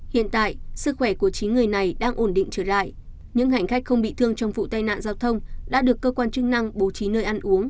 hiện tại sức khỏe của chín người này đang ổn định trở lại những hành khách không bị thương trong vụ tai nạn giao thông đã được cơ quan chức năng bố trí nơi ăn uống